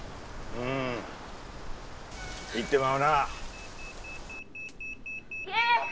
うん行ってまうな優！